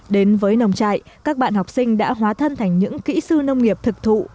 đến với nông trại các bạn học sinh đã hóa thân thành những kỹ sư nông nghiệp thực thụ